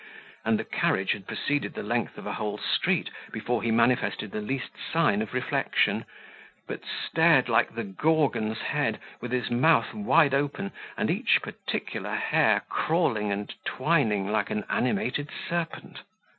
and the carriage had proceeded the length of a whole street before he manifested the least sign of reflection, but stared like the Gorgon's head, with his mouth wide open, and each particular hair crawling and twining like an animated serpent.